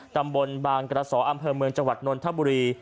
ตำบลบางกระสออำเภอเมืองจังหวัดนนทบุรี